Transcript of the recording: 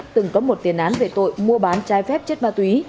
từng có một tiền án về tội mua bán trái phép chất ma túy